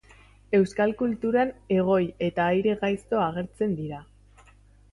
Euskal kulturan Egoi eta Aire-gaizto agertzen dira.